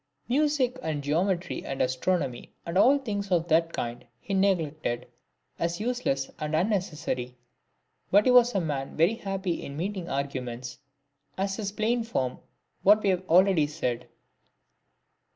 VIII. Music and geometry, and astronomy, and all things of that kind, he neglected, as useless and unnecessary. But he was a man very happy in meeting arguments, as is plain from what we have already said.